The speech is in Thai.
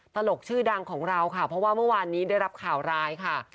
ตลกชื่อดังของเราค่ะเพราะว่าเมื่อวานนี้ได้รับข่าวร้ายค่ะ